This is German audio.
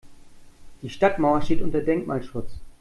Die Stadtmauer steht unter Denkmalschutz.